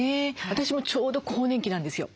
私もちょうど更年期なんですよ。